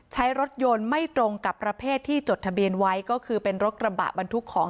ใช้รถยนต์ไม่ตรงกับประเภทที่จดทะเบียนไว้ก็คือเป็นรถกระบะบรรทุกของ